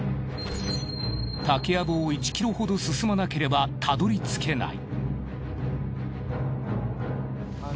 竹藪を１ｋｍほど進まなければたどりつけない。